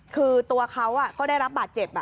คือตัวเขาก็ได้รับบาดเจ็บ